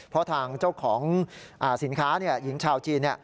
เพราะทางเจ้าของสินค้าหญิงชาวจีน